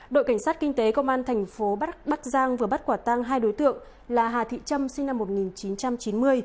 đội cảnh sát kinh tế công an thành phố bắc giang vừa bắt quả tăng hai đối tượng là hà thị trâm sinh năm một nghìn chín trăm chín mươi